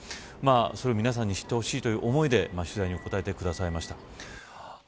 それを皆さんに知ってほしいという思いで取材に答えてくださいました。